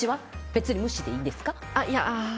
別に無視でいいんですか？